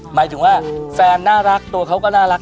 หมายถึงว่าแฟนน่ารักตัวเขาก็น่ารัก